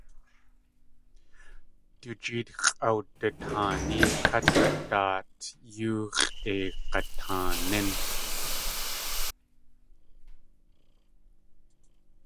Du jeet x̲ʼawdataaní kát a daat yoo x̲ʼeig̲ataanín.